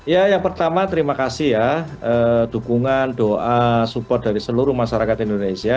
ya yang pertama terima kasih ya dukungan doa support dari seluruh masyarakat indonesia